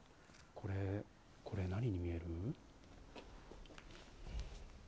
これ、何に見える？